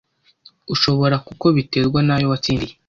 ushora kuko biterwa n’ayo watsindiye